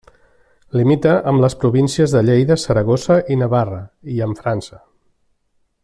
Limita amb les províncies de Lleida, Saragossa, i Navarra, i amb França.